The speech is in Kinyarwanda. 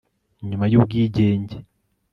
nyuma y'ubwigenge